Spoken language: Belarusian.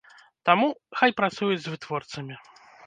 Таму, хай працуюць з вытворцамі.